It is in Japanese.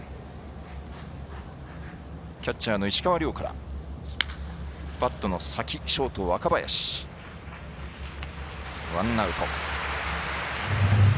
キャッチャーの石川亮からバットの先、ショート若林ワンアウト。